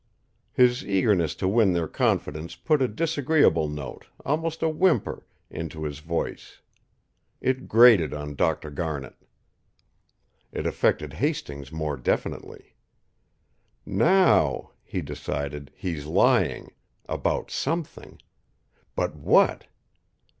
His eagerness to win their confidence put a disagreeable note, almost a whimper, into his voice. It grated on Dr. Garnet. It affected Hastings more definitely. "Now," he decided, "he's lying about something. But what?"